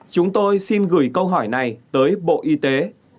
chúng tôi xin gửi câu hỏi này tới bộ y tế